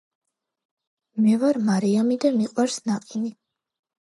მე ვარ მარიამი და მიყვარს ნაყინი